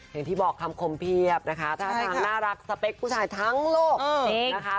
อย่างที่บอกคำคมเพียบนะคะท่าทางน่ารักสเปคผู้ชายทั้งโลกนะคะ